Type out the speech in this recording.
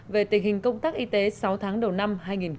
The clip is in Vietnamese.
về tình hình công tác y tế sáu tháng đầu năm hai nghìn một mươi bảy